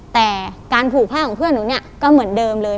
แต่การผูกผ้าของเพื่อนหนูเนี่ยก็เหมือนเดิมเลย